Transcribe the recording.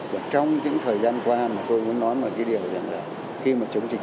và trong những thời gian qua mà tôi muốn nói một cái điều rằng là khi mà chống dịch